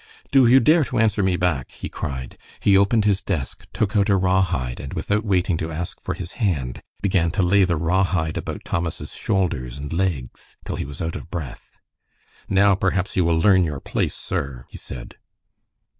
"Do you dare to answer me back?" he cried. He opened his desk, took out a rawhide, and without waiting to ask for his hand, began to lay the rawhide about Thomas's shoulders and legs, till he was out of breath. "Now, perhaps you will learn your place, sir," he said.